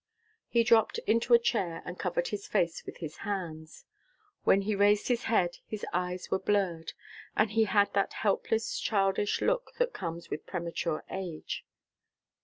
He dropped into a chair and covered his face with his hands. When he raised his head his eyes were blurred, and he had that helpless, childish look that comes with premature age.